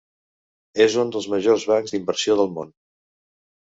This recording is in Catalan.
És un dels majors bancs d'inversió del món.